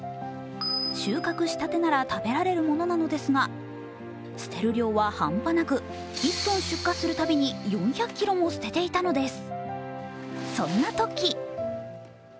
収穫したてなら食べられるものなのですが、捨てる量は半端なく１ｔ出荷するたびに４００ｋｇも捨てていたのです。